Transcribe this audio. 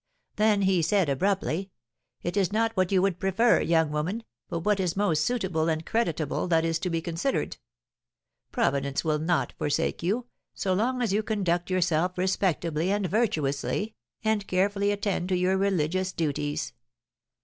Then he said, abruptly, 'It is not what you would prefer, young woman, but what is most suitable and creditable that is to be considered. Providence will never forsake you, so long as you conduct yourself respectably and virtuously, and carefully attend to your religious duties.